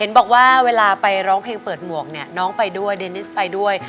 บอกว่าเวลาไปร้องเพลงเปิดหมวกเนี่ยน้องไปด้วยเดนิสไปด้วย